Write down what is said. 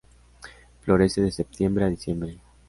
Florece de septiembre a diciembre.